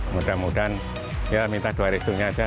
mudah mudahan ya minta dua resunya aja